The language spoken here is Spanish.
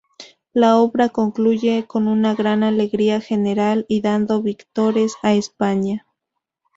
La obra concluye con una gran alegría general y dando vítores a España.